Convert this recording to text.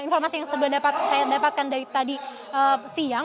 informasi yang sudah saya dapatkan dari tadi siang